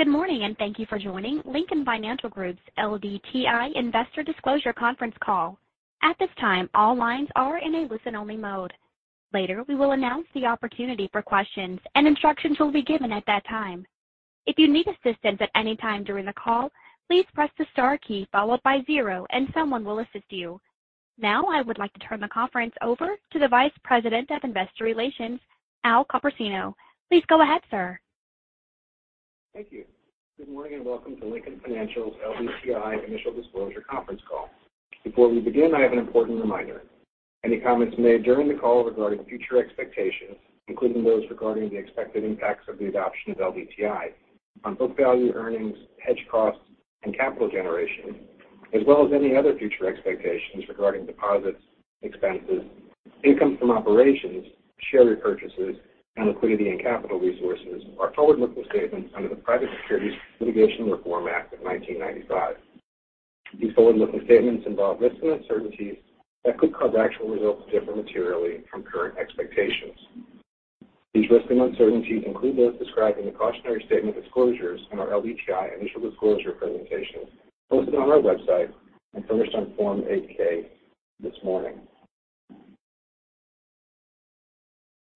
Good morning, and thank you for joining Lincoln Financial Group's LDTI Investor Disclosure conference call. At this time, all lines are in a listen-only mode. Later, we will announce the opportunity for questions, and instructions will be given at that time. If you need assistance at any time during the call, please press the star key followed by zero, and someone will assist you. Now, I would like to turn the conference over to the Vice President of Investor Relations, Al Copersino. Please go ahead, sir. Thank you. Good morning, and welcome to Lincoln Financial LDTI Initial Disclosure conference call. Before we begin, I have an important reminder. Any comments made during the call regarding future expectations, including those regarding the expected impacts of the adoption of LDTI on book value earnings, hedge costs, and capital generation, as well as any other future expectations regarding deposits, expenses, income from operations, share repurchases, and liquidity and capital resources are forward-looking statements under the Private Securities Litigation Reform Act of 1995. These forward-looking statements involve risks and uncertainties that could cause actual results to differ materially from current expectations. These risks and uncertainties include those described in the cautionary statement disclosures in our LDTI initial disclosure presentation posted on our website and furnished on Form 8-K this morning.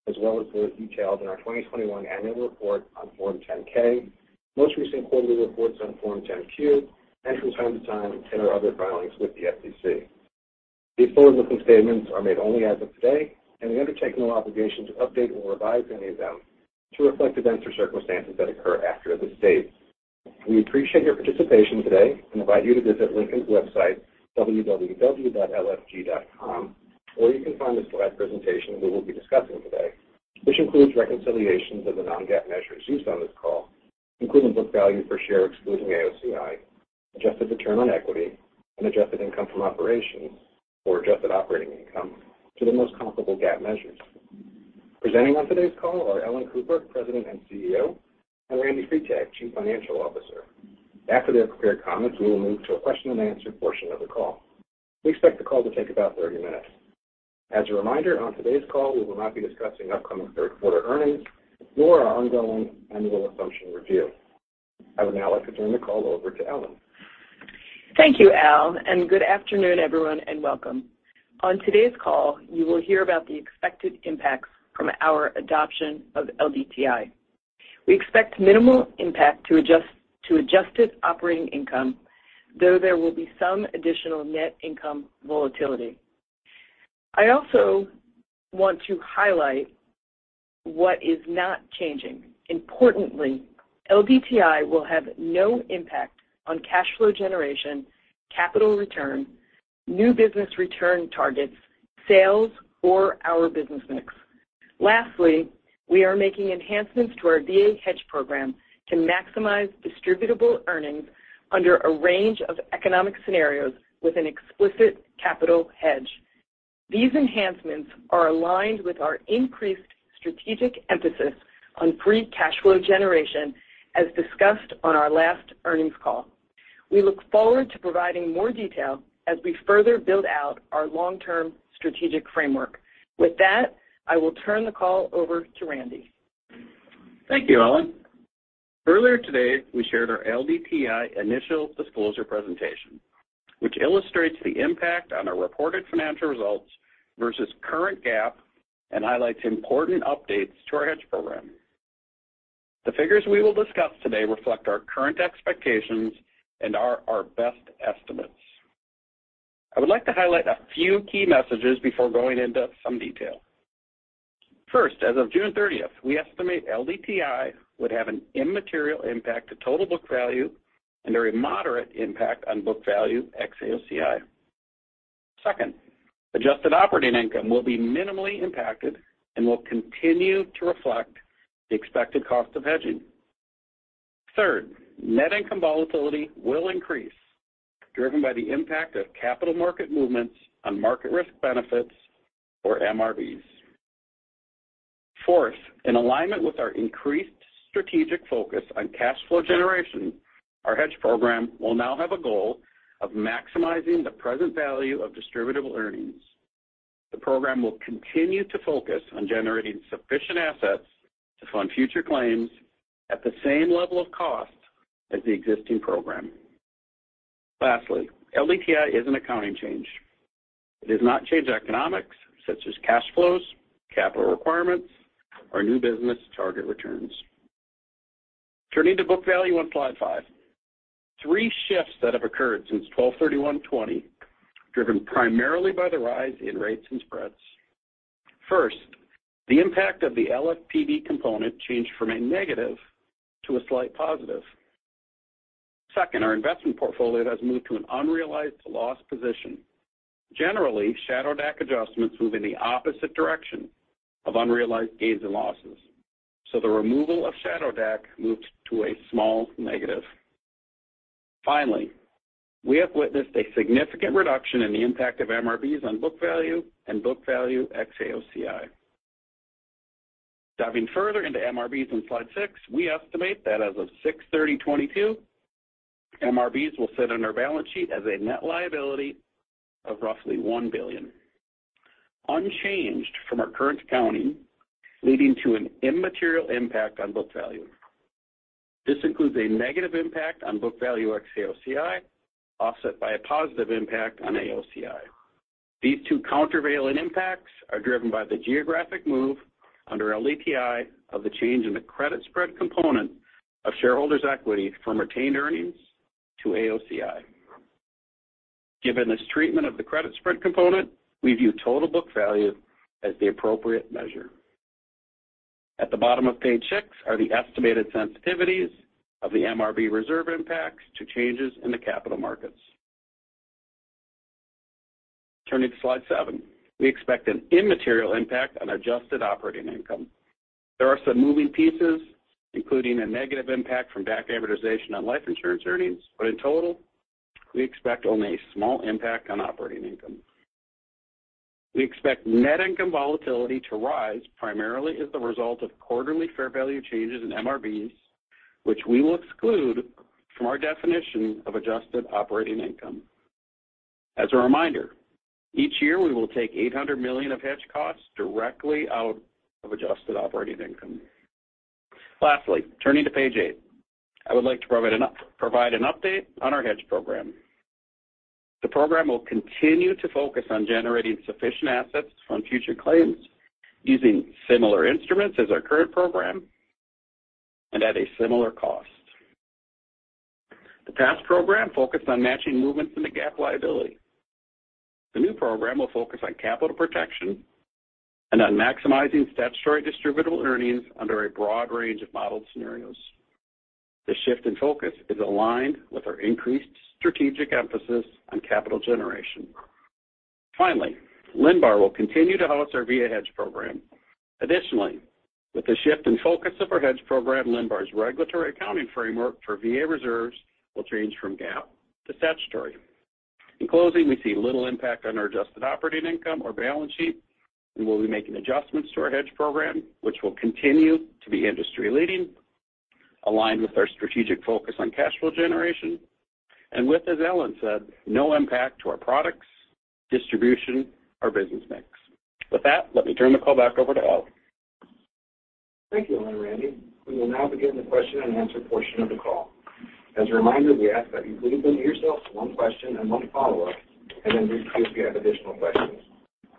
As well as those detailed in our 2021 annual report on Form 10-K, most recent quarterly reports on Form 10-Q, and from time to time in our other filings with the SEC. These forward-looking statements are made only as of today, and we undertake no obligation to update or revise any of them to reflect events or circumstances that occur after this date. We appreciate your participation today and invite you to visit Lincoln's website, www.lfg.com, where you can find the slide presentation we will be discussing today, which includes reconciliations of the non-GAAP measures used on this call, including book value per share excluding AOCI, adjusted return on equity and adjusted income from operations or adjusted operating income to the most comparable GAAP measures. Presenting on today's call are Ellen Cooper, President and CEO, and Randy Freitag, Chief Financial Officer. After their prepared comments, we will move to a question-and-answer portion of the call. We expect the call to take about 30 minutes. As a reminder, on today's call, we will not be discussing upcoming third quarter earnings nor our ongoing annual assumption review. I would now like to turn the call over to Ellen. Thank you, Al, and good afternoon, everyone, and welcome. On today's call, you will hear about the expected impacts from our adoption of LDTI. We expect minimal impact to adjusted operating income, though there will be some additional net income volatility. I also want to highlight what is not changing. Importantly, LDTI will have no impact on cash flow generation, capital return, new business return targets, sales or our business mix. Lastly, we are making enhancements to our VA hedge program to maximize distributable earnings under a range of economic scenarios with an explicit capital hedge. These enhancements are aligned with our increased strategic emphasis on free cash flow generation, as discussed on our last earnings call. We look forward to providing more detail as we further build out our long-term strategic framework. With that, I will turn the call over to Randy. Thank you, Ellen. Earlier today, we shared our LDTI initial disclosure presentation, which illustrates the impact on our reported financial results versus current GAAP and highlights important updates to our hedge program. The figures we will discuss today reflect our current expectations and are our best estimates. I would like to highlight a few key messages before going into some detail. First, as of June 30, we estimate LDTI would have an immaterial impact to total book value and a very moderate impact on book value ex-AOCI. Second, adjusted operating income will be minimally impacted and will continue to reflect the expected cost of hedging. Third, net income volatility will increase, driven by the impact of capital market movements on market risk benefits or MRBs. Fourth, in alignment with our increased strategic focus on cash flow generation, our hedge program will now have a goal of maximizing the present value of distributable earnings. The program will continue to focus on generating sufficient assets to fund future claims at the same level of cost as the existing program. Lastly, LDTI is an accounting change. It does not change economics such as cash flows, capital requirements, or new business target returns. Turning to book value on slide five. Three shifts that have occurred since 12/31/2020, driven primarily by the rise in rates and spreads. First, the impact of the LFPB component changed from a negative to a slight positive. Second, our investment portfolio has moved to an unrealized loss position. Generally, shadow DAC adjustments move in the opposite direction of unrealized gains and losses, so the removal of shadow DAC moves to a small negative. Finally, we have witnessed a significant reduction in the impact of MRBs on book value and book value ex-AOCI. Diving further into MRBs on slide six, we estimate that as of 6/30/2022, MRBs will sit on our balance sheet as a net liability of roughly $1 billion. Unchanged from our current accounting, leading to an immaterial impact on book value. This includes a negative impact on book value ex-AOCI, offset by a positive impact on AOCI. These two countervailing impacts are driven by the geographic move under LDTI of the change in the credit spread component of shareholders' equity from retained earnings to AOCI. Given this treatment of the credit spread component, we view total book value as the appropriate measure. At the bottom of page six are the estimated sensitivities of the MRB reserve impacts to changes in the capital markets. Turning to slide seven. We expect an immaterial impact on adjusted operating income. There are some moving pieces, including a negative impact from back amortization on life insurance earnings. In total, we expect only a small impact on operating income. We expect net income volatility to rise primarily as the result of quarterly fair value changes in MRBs, which we will exclude from our definition of adjusted operating income. As a reminder, each year, we will take $800 million of hedge costs directly out of adjusted operating income. Lastly, turning to page eight. I would like to provide an update on our hedge program. The program will continue to focus on generating sufficient assets from future claims using similar instruments as our current program and at a similar cost. The past program focused on matching movements in the GAAP liability. The new program will focus on capital protection and on maximizing statutory distributable earnings under a broad range of modeled scenarios. The shift in focus is aligned with our increased strategic emphasis on capital generation. Finally, Linbar will continue to host our VA hedge program. Additionally, with the shift in focus of our hedge program, Linbar's regulatory accounting framework for VA reserves will change from GAAP to statutory. In closing, we see little impact on our adjusted operating income or balance sheet, and we'll be making adjustments to our hedge program, which will continue to be industry-leading, aligned with our strategic focus on cash flow generation, and with, as Ellen said, no impact to our products, distribution, or business mix. With that, let me turn the call back over to Al. Thank you, Ellen and Randy. We will now begin the question and answer portion of the call. As a reminder, we ask that you please limit yourself to one question and one follow-up, and then if you have additional questions.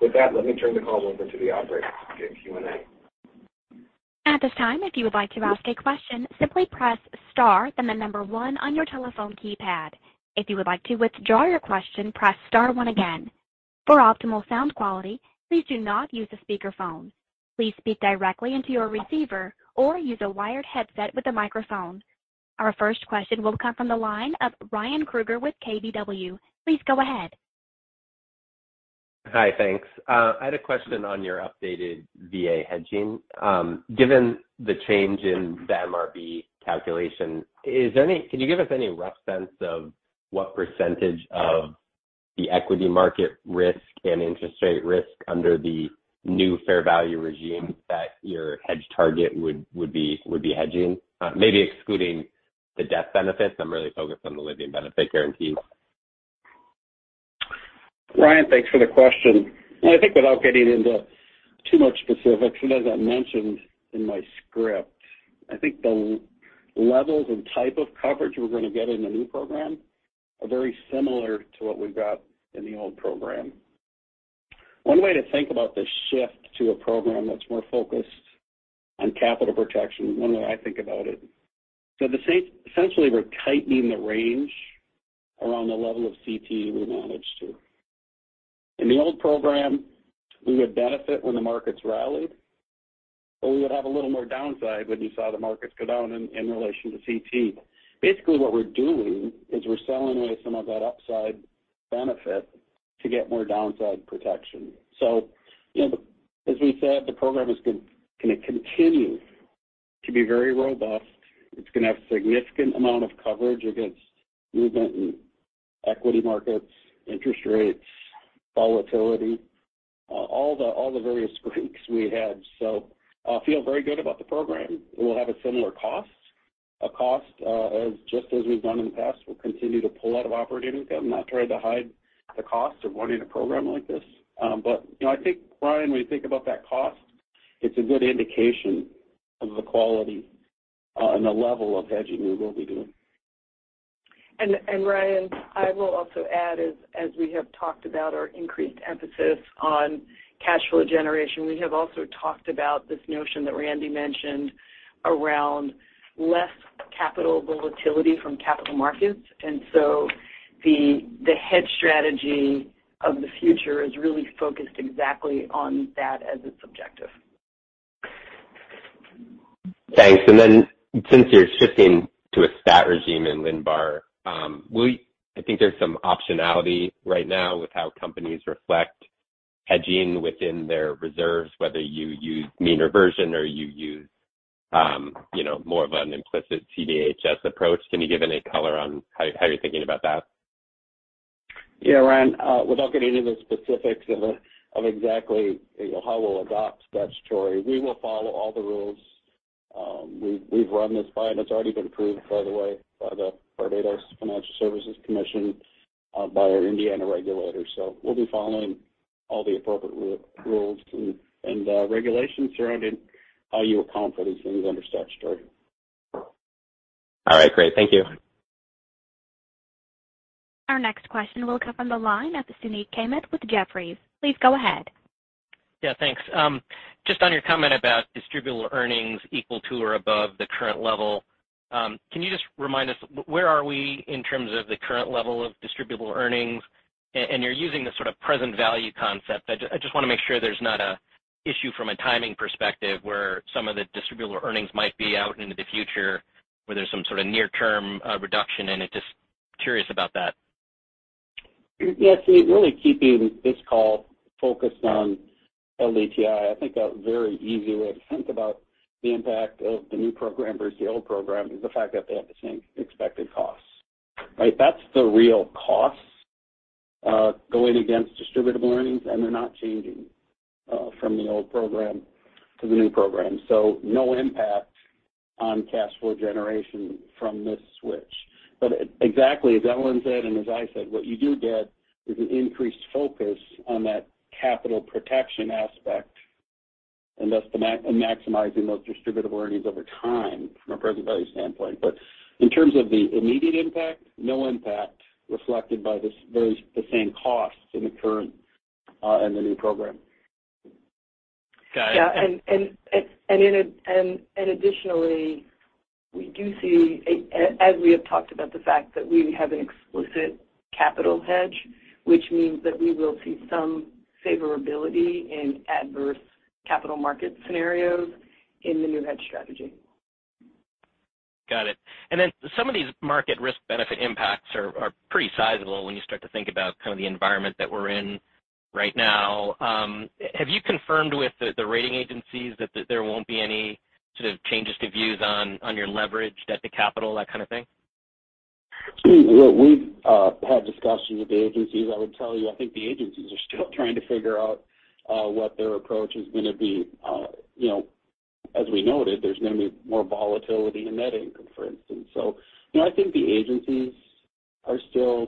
With that, let me turn the call over to the operator to begin Q&A. At this time, if you would like to ask a question, simply press star, then the number one on your telephone keypad. If you would like to withdraw your question, press star one again. For optimal sound quality, please do not use a speakerphone. Please speak directly into your receiver or use a wired headset with a microphone. Our first question will come from the line of Ryan Krueger with KBW. Please go ahead. Hi. Thanks. I had a question on your updated VA hedging. Given the change in the MRB calculation, can you give us any rough sense of what percentage of the equity market risk and interest rate risk under the new fair value regime that your hedge target would be hedging? Maybe excluding the death benefits. I'm really focused on the living benefit guarantees. Ryan, thanks for the question. I think without getting into too much specifics, and as I mentioned in my script, I think the levels and type of coverage we're gonna get in the new program are very similar to what we got in the old program. One way to think about the shift to a program that's more focused on capital protection, one way I think about it, essentially, we're tightening the range around the level of CTE we manage to. In the old program, we would benefit when the markets rallied, but we would have a little more downside when you saw the markets go down in relation to CTE. Basically, what we're doing is we're selling away some of that upside benefit to get more downside protection. You know, as we said, the program is gonna continue to be very robust. It's gonna have significant amount of coverage against movement in equity markets, interest rates, volatility, all the various Greeks we had. I feel very good about the program. We'll have a similar cost. A cost, as just as we've done in the past, we'll continue to pull out of operating income, not trying to hide the cost of running a program like this. But, you know, I think, Ryan, when you think about that cost, it's a good indication of the quality, and the level of hedging we will be doing. Ryan, I will also add, as we have talked about our increased emphasis on cash flow generation, we have also talked about this notion that Randy mentioned around less capital volatility from capital markets. The hedge strategy of the future is really focused exactly on that as its objective. Thanks. Since you're shifting to a stat regime in Linbar, I think there's some optionality right now with how companies reflect hedging within their reserves, whether you use mean reversion or you use, you know, more of an implicit CDHS approach. Can you give any color on how you're thinking about that? Yeah, Ryan, without getting into the specifics of exactly, you know, how we'll adopt statutory, we will follow all the rules. We've run this by, and it's already been approved, by the way, by the Barbados Financial Services Commission, by our Indiana regulators. We'll be following all the appropriate rules and regulations surrounding how you account for these things under statutory. All right, great. Thank you. Our next question will come from the line of Suneet Kamath with Jefferies. Please go ahead. Yeah, thanks. Just on your comment about distributable earnings equal to or above the current level, can you just remind us where are we in terms of the current level of distributable earnings? You're using this sort of present value concept. I just wanna make sure there's not a issue from a timing perspective where some of the distributable earnings might be out into the future, where there's some sort of near term reduction in it. Just curious about that. Yeah. See, really keeping this call focused on LDTI, I think a very easy way to think about the impact of the new program versus the old program is the fact that they have the same expected costs, right? That's the real cost, going against distributable earnings, and they're not changing, from the old program to the new program. No impact on cash flow generation from this switch. Exactly as Ellen said, and as I said, what you do get is an increased focus on that capital protection aspect, and thus maximizing those distributable earnings over time from a present value standpoint. In terms of the immediate impact, no impact reflected by this, those, the same costs in the current, and the new program. Got it. Yeah. Additionally, we do see, as we have talked about the fact that we have an explicit capital hedge, which means that we will see some favorability in adverse capital market scenarios in the new hedge strategy. Got it. Then some of these market risk benefit impacts are pretty sizable when you start to think about kind of the environment that we're in right now. Have you confirmed with the rating agencies that there won't be any sort of changes to views on your leverage, debt to capital, that kind of thing? Suneet, we've had discussions with the agencies. I would tell you, I think the agencies are still trying to figure out what their approach is gonna be. You know, as we noted, there's gonna be more volatility in net income, for instance. I think the agencies are still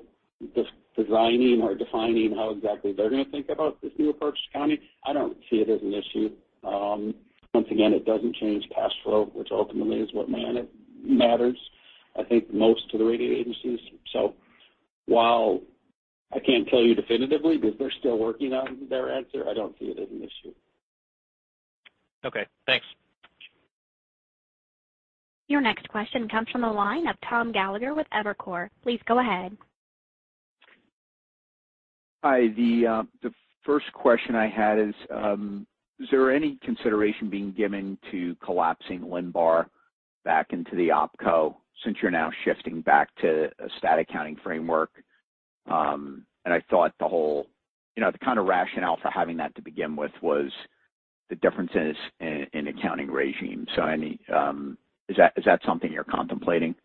deciding or defining how exactly they're gonna think about this new approach to LDTI. I don't see it as an issue. Once again, it doesn't change cash flow, which ultimately is what matters, I think, most to the rating agencies. While I can't tell you definitively because they're still working on their answer, I don't see it as an issue. Okay, thanks. Your next question comes from the line of Tom Gallagher with Evercore. Please go ahead. Hi. The first question I had is there any consideration being given to collapsing Linbar back into the OpCo since you're now shifting back to a stat accounting framework? I thought the whole, you know, the kind of rationale for having that to begin with was the differences in accounting regime. Is that something you're contemplating?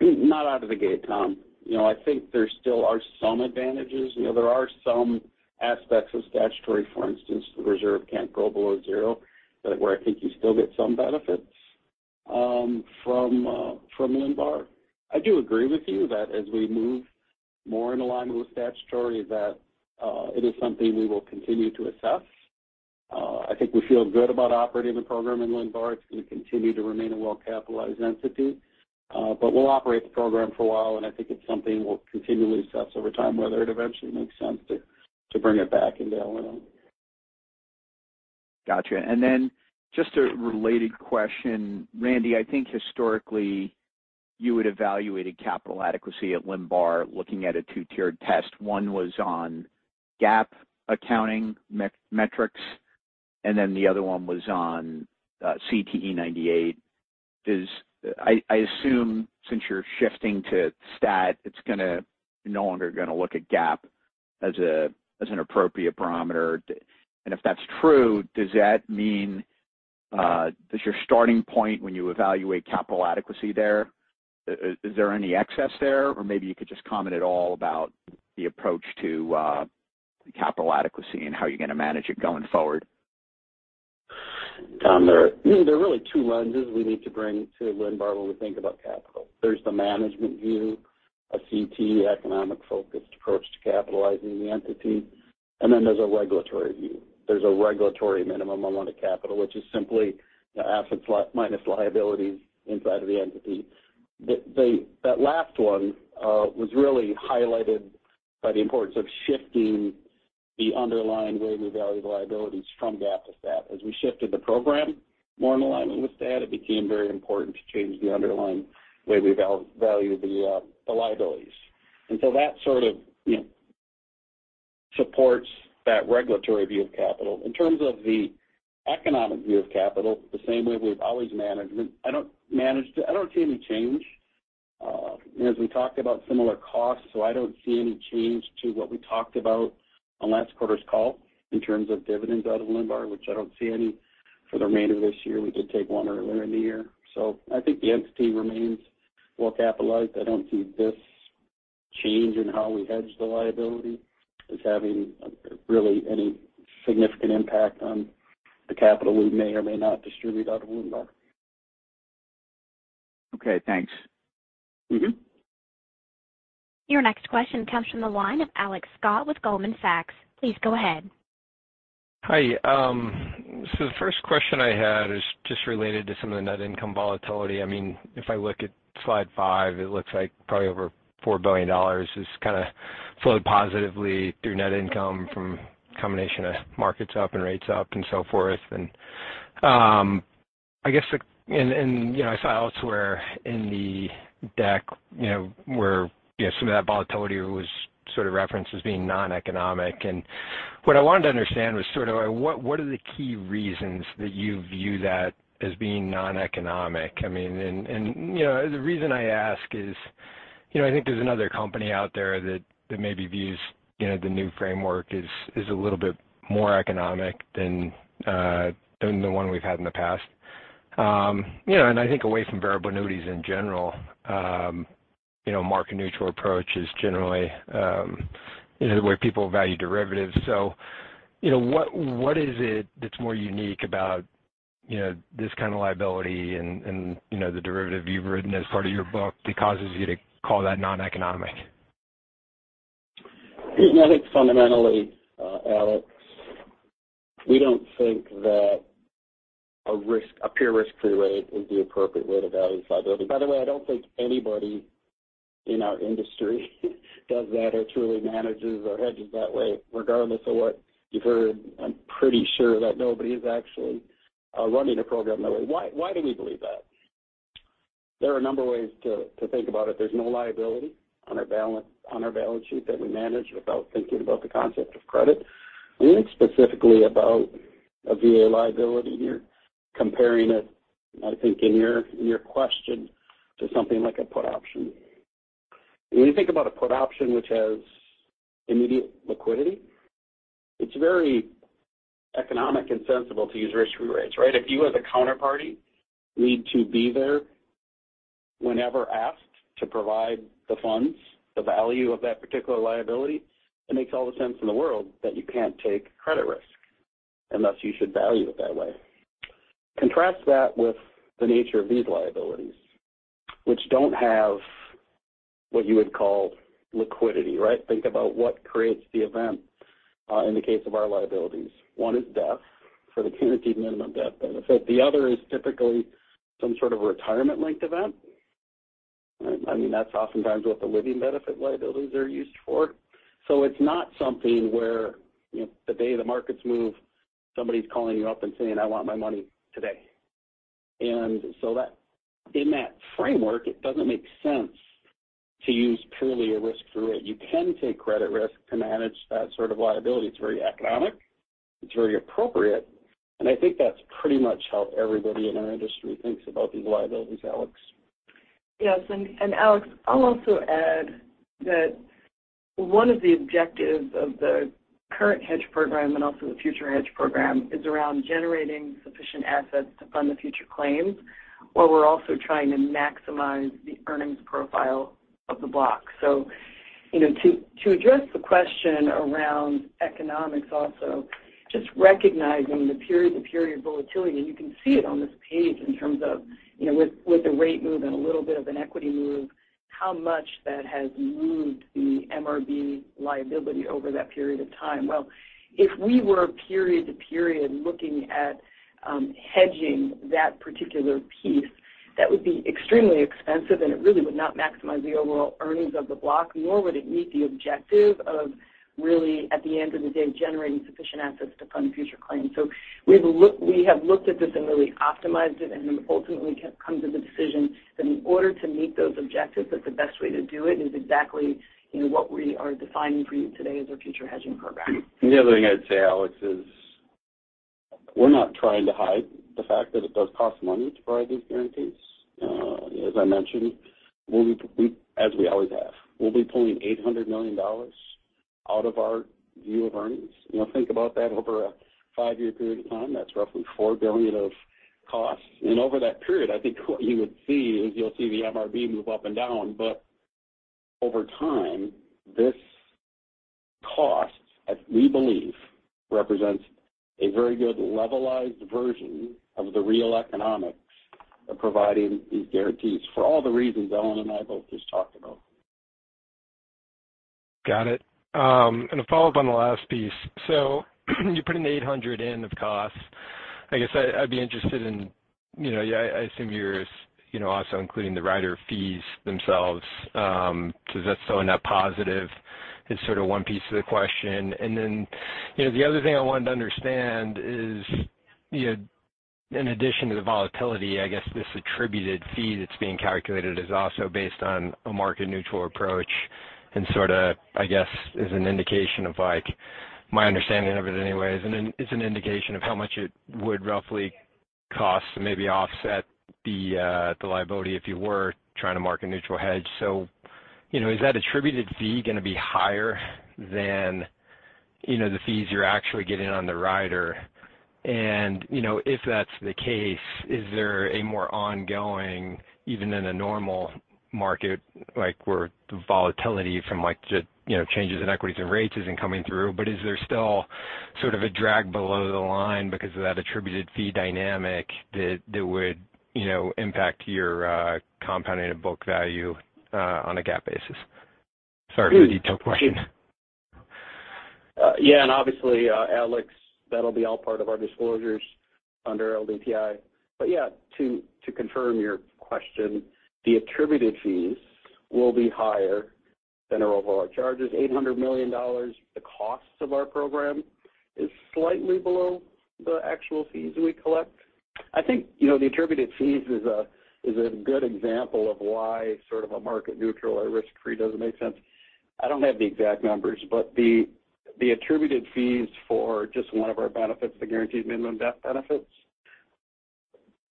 Not out of the gate, Tom. You know, I think there still are some advantages. You know, there are some aspects of statutory, for instance, the reserve can't go below zero, where I think you still get some benefits from Linbar. I do agree with you that as we move more in alignment with statutory that it is something we will continue to assess. I think we feel good about operating the program in Linbar. It's gonna continue to remain a well-capitalized entity. But we'll operate the program for a while, and I think it's something we'll continually assess over time whether it eventually makes sense to bring it back into our own. Gotcha. Just a related question. Randy, I think historically you had evaluated capital adequacy at Linbar looking at a two-tiered test. One was on GAAP accounting metrics, and then the other one was on CTE 98. I assume since you're shifting to stat, you're no longer gonna look at GAAP as an appropriate parameter. If that's true, does that mean does your starting point when you evaluate capital adequacy there, is there any excess there? Or maybe you could just comment at all about the approach to the capital adequacy and how you're gonna manage it going forward. Tom, there are really two lenses we need to bring to Linbar when we think about capital. There's the management view, a CTE economic-focused approach to capitalizing the entity, and then there's a regulatory view. There's a regulatory minimum amount of capital, which is simply the assets minus liabilities inside of the entity. That last one was really highlighted by the importance of shifting the underlying way we value the liabilities from GAAP to stat. As we shifted the program more in alignment with stat, it became very important to change the underlying way we value the liabilities. That sort of, you know, supports that regulatory view of capital. In terms of the economic view of capital, the same way we've always managed, I don't see any change. As we talked about similar costs, so I don't see any change to what we talked about on last quarter's call in terms of dividends out of Linbar, which I don't see any for the remainder of this year. We did take one earlier in the year. I think the entity remains well capitalized. I don't see this change in how we hedge the liability is having really any significant impact on the capital we may or may not distribute out of Linbar. Okay, thanks. Mm-hmm. Your next question comes from the line of Alex Scott with Goldman Sachs. Please go ahead. Hi. The first question I had is just related to some of the net income volatility. I mean, if I look at slide five, it looks like probably over $4 billion is kinda flowed positively through net income from a combination of markets up and rates up and so forth. I guess, you know, I saw elsewhere in the deck, you know, where, you know, some of that volatility was sort of referenced as being noneconomic. What I wanted to understand was sort of what are the key reasons that you view that as being noneconomic? I mean, you know, the reason I ask is, you know, I think there's another company out there that maybe views, you know, the new framework as a little bit more economic than the one we've had in the past. You know, and I think away from variable annuities in general, you know, market neutral approach is generally, you know, the way people value derivatives. You know, what is it that's more unique about, you know, this kind of liability and, you know, the derivative you've written as part of your book that causes you to call that noneconomic? I think fundamentally, Alex, we don't think that a pure risk-free rate is the appropriate way to value this liability. By the way, I don't think anybody in our industry does that or truly manages or hedges that way, regardless of what you've heard. I'm pretty sure that nobody is actually running a program that way. Why do we believe that? There are a number of ways to think about it. There's no liability on our balance sheet that we manage without thinking about the concept of credit. When we think specifically about a VA liability here, comparing it, I think in your question to something like a put option. When you think about a put option which has immediate liquidity, it's very economic and sensible to use risk-free rates, right? If you, as a counterparty, need to be there whenever asked to provide the funds, the value of that particular liability, it makes all the sense in the world that you can't take credit risk, and thus you should value it that way. Contrast that with the nature of these liabilities, which don't have what you would call liquidity, right? Think about what creates the event, in the case of our liabilities. One is death for the guaranteed minimum death benefit. The other is typically some sort of retirement-linked event. Right? I mean, that's oftentimes what the living benefit liabilities are used for. It's not something where, you know, the day the markets move, somebody's calling you up and saying, "I want my money today." In that framework, it doesn't make sense to use purely a risk-free rate. You can take credit risk to manage that sort of liability. It's very economic, it's very appropriate, and I think that's pretty much how everybody in our industry thinks about these liabilities, Alex. Yes. Alex, I'll also add that one of the objectives of the current hedge program and also the future hedge program is around generating sufficient assets to fund the future claims, while we're also trying to maximize the earnings profile of the block. You know, to address the question around economics also, just recognizing the period-to-period volatility, and you can see it on this page in terms of, you know, with the rate move and a little bit of an equity move, how much that has moved the MRB liability over that period of time. Well, if we were period to period looking at hedging that particular piece, that would be extremely expensive, and it really would not maximize the overall earnings of the block, nor would it meet the objective of really, at the end of the day, generating sufficient assets to fund future claims. We have looked at this and really optimized it and then ultimately come to the decision that in order to meet those objectives, that the best way to do it is exactly, you know, what we are defining for you today as our future hedging program. The other thing I'd say, Alex, is we're not trying to hide the fact that it does cost money to provide these guarantees. As I mentioned, we, as we always have, we'll be pulling $800 million out of our view of earnings. You know, think about that over a five-year period of time. That's roughly $4 billion of costs. Over that period, I think what you would see is you'll see the MRB move up and down. Over time, this cost, as we believe, represents a very good levelized version of the real economics of providing these guarantees for all the reasons Ellen and I both just talked about. Got it. A follow-up on the last piece. You're putting $800 million of costs. I guess I'd be interested in. I assume you're also including the rider fees themselves, so is that still a net positive? That's sort of one piece of the question. Then, the other thing I wanted to understand is, in addition to the volatility, I guess this attributed fee that's being calculated is also based on a market-neutral approach and sort of, I guess, is an indication of, like, my understanding of it anyway is it's an indication of how much it would roughly cost to maybe offset the liability if you were trying to market-neutral hedge. You know, is that attributed fee gonna be higher than, you know, the fees you're actually getting on the rider. You know, if that's the case, is there a more ongoing, even in a normal market, like where the volatility from like just, you know, changes in equities and rates isn't coming through. Is there still sort of a drag below the line because of that attributed fee dynamic that would, you know, impact your compounded book value on a GAAP basis? Sorry for the detailed question. Yeah, obviously, Alex, that'll be all part of our disclosures under LDTI. Yeah, to confirm your question, the attributed fees will be higher than our overall charges. $800 million, the costs of our program is slightly below the actual fees we collect. I think, you know, the attributed fees is a good example of why sort of a market neutral or risk-free doesn't make sense. I don't have the exact numbers, but the attributed fees for just one of our benefits, the guaranteed minimum death benefits.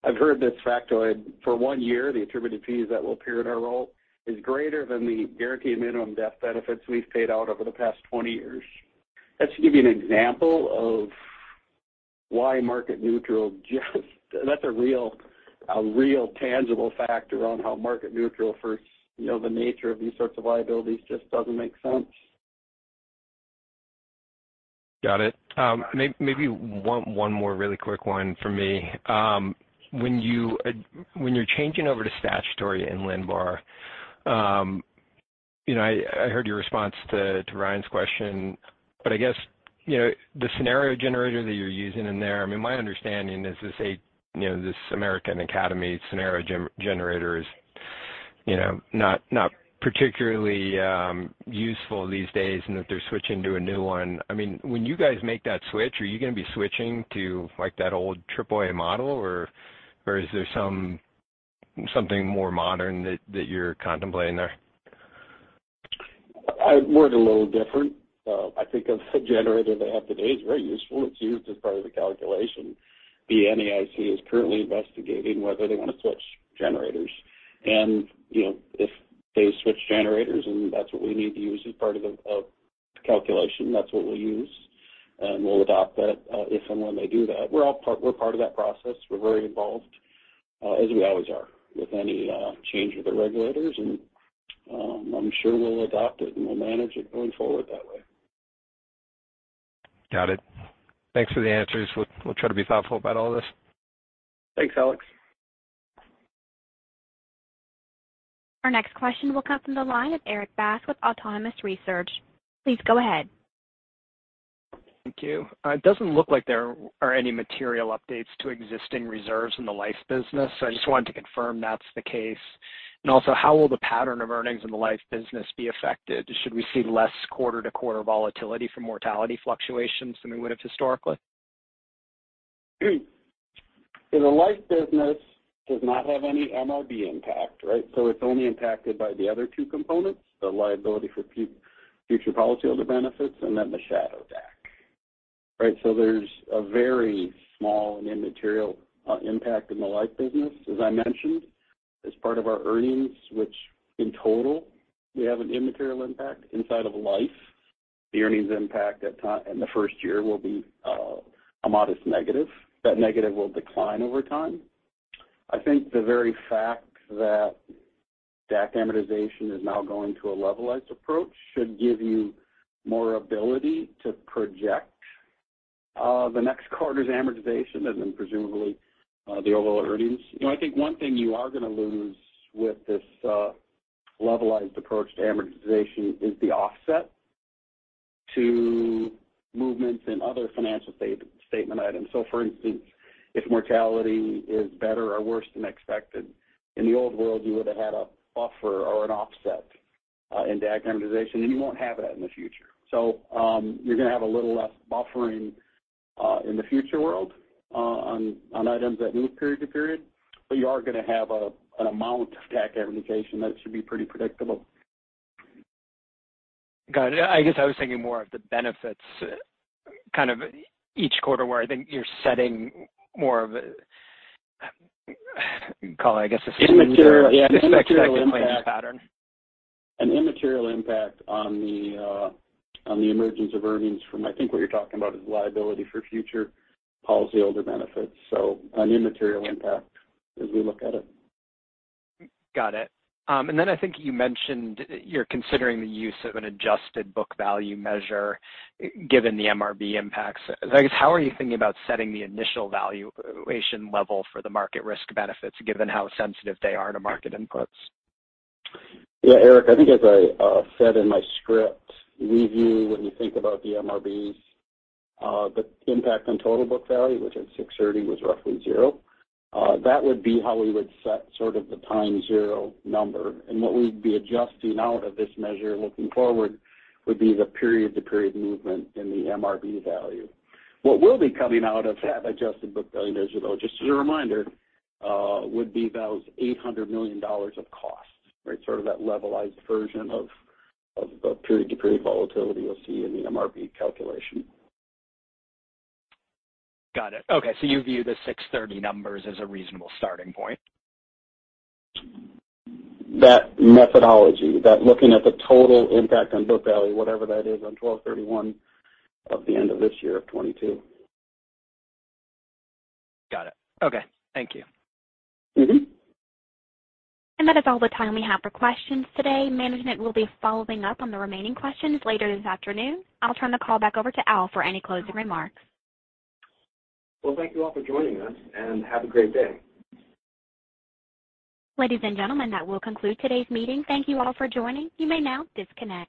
I've heard this factoid. For one year, the attributed fees that will appear in our 10-K is greater than the guaranteed minimum death benefits we've paid out over the past 20 years. That should give you an example of why market neutral just. That's a real tangible factor on how, you know, the nature of these sorts of liabilities just doesn't make sense. Got it. Maybe one more really quick one for me. When you're changing over to statutory and Linbar, you know, I heard your response to Ryan's question. I guess, you know, the scenario generator that you're using in there, I mean, my understanding is this American Academy scenario generator is, you know, not particularly useful these days and that they're switching to a new one. I mean, when you guys make that switch, are you gonna be switching to like that old triple A model, or is there something more modern that you're contemplating there? It works a little different. I think the generator they have today is very useful. It's used as part of the calculation. The NAIC is currently investigating whether they wanna switch generators. You know, if they switch generators, and that's what we need to use as part of the calculation, that's what we'll use, and we'll adopt that, if and when they do that. We're part of that process. We're very involved, as we always are with any change with the regulators. I'm sure we'll adopt it and we'll manage it going forward that way. Got it. Thanks for the answers. We'll try to be thoughtful about all this. Thanks, Alex. Our next question will come from the line of Erik Bass with Autonomous Research. Please go ahead. Thank you. It doesn't look like there are any material updates to existing reserves in the life business. So I just wanted to confirm that's the case. Also, how will the pattern of earnings in the life business be affected? Should we see less quarter-to-quarter volatility from mortality fluctuations than we would have historically? In the life business does not have any MRB impact, right? It's only impacted by the other two components, the liability for future policyholder benefits and then the shadow DAC, right? There's a very small and immaterial impact in the life business. As I mentioned, as part of our earnings, which in total we have an immaterial impact inside of life. The earnings impact in the first year will be a modest negative. That negative will decline over time. I think the very fact that DAC amortization is now going to a levelized approach should give you more ability to project the next quarter's amortization and then presumably the overall earnings. You know, I think one thing you are gonna lose with this levelized approach to amortization is the offset to movements in other financial statement items. For instance, if mortality is better or worse than expected, in the old world, you would've had a buffer or an offset in DAC amortization, and you won't have that in the future. You're gonna have a little less buffering in the future world on items that move period to period, but you are gonna have an amount of DAC amortization that should be pretty predictable. Got it. I guess I was thinking more of the benefits kind of each quarter where I think you're setting more of a, call it, I guess, a smoother. Immaterial. Yeah. Expectations pattern. An immaterial impact on the emergence of earnings. I think what you're talking about is Liability for Future Policyholder Benefits. An immaterial impact as we look at it. Got it. I think you mentioned you're considering the use of an adjusted book value measure given the MRB impacts. I guess, how are you thinking about setting the initial valuation level for the market risk benefits given how sensitive they are to market inputs? Yeah. Erik, I think as I said in my script, we view when you think about the MRBs, the impact on total book value, which at 6/30 was roughly zero, that would be how we would set sort of the time zero number. What we'd be adjusting out of this measure looking forward would be the period-to-period movement in the MRB value. What will be coming out of that adjusted book value measure, though, just as a reminder, would be those $800 million of cost, right? Sort of that levelized version of period-to-period volatility you'll see in the MRB calculation. Got it. Okay. You view the 630 numbers as a reasonable starting point. That methodology, that looking at the total impact on book value, whatever that is on 12/31 of the end of this year of 2022. Got it. Okay. Thank you. Mm-hmm. That is all the time we have for questions today. Management will be following up on the remaining questions later this afternoon. I'll turn the call back over to Al for any closing remarks. Well, thank you all for joining us, and have a great day. Ladies and gentlemen, that will conclude today's meeting. Thank you all for joining. You may now disconnect.